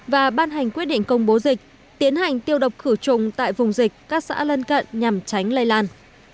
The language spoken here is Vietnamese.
và ban hành quyết định công bố dịch tiến hành tiêu độc khử trùng tại vùng dịch các xã lân cận nhằm tránh lây lan